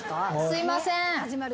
すいません。